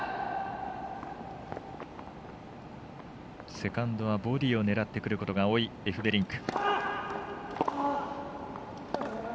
セカンドはボディーを狙ってくることの多いエフベリンク。